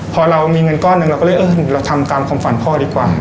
พอเรามีเงินก้อนหนึ่งเราก็เลยเออเราทำตามความฝันพ่อดีกว่า